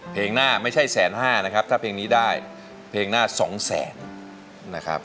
เพลงหน้าไม่ใช่แสนห้านะครับถ้าเพลงนี้ได้เพลงหน้า๒แสนนะครับ